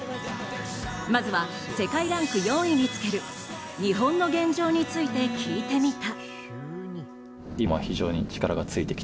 まずは世界ランク４位につける日本の現状について聞いてみた。